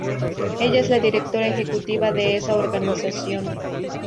Ella es la directora ejecutiva de esa organización.